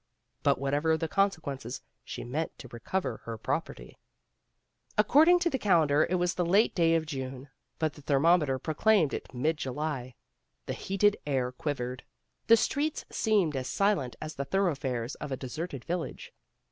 But whatever the consequences^ she meant to recover her property. According to the calendar' it was the last day A MISSING BRIDE 301 of June, but the thermometer proclaimed it mid July. The heated air quivered. The streets seemed as silent as the thoroughfares of a deserted village.